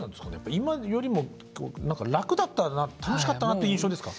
今よりも楽だったな楽しかったなっていう印象ですか？